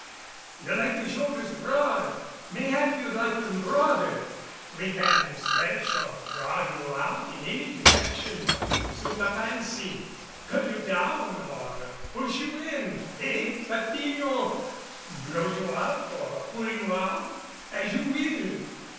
You like the shoulders broad, mayhap you'd like them broader; we can stretch or draw you out in any direction to suit the fancy cut you down or push you in eh! Patiño? bloat you up or pull you out as you will.